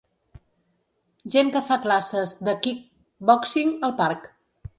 Gent que fa classes de kick-boxing al parc.